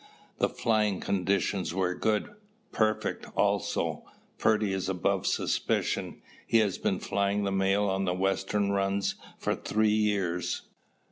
"The flying conditions were good?" "Perfect. Also, Purdy is above suspicion. He has been flying the mail on the western runs for three years.